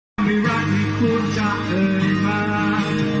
ไม่รักที่พูดจากเอิญภาพ